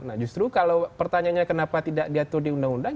nah justru kalau pertanyaannya kenapa tidak diatur di undang undang